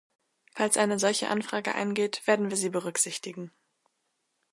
Falls eine solche Anfrage eingeht, werden wir sie berücksichtigen.